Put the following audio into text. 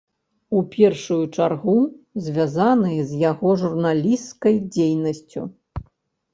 У першую чаргу звязаныя з яго журналісцкай дзейнасцю.